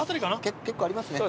結構ありますね。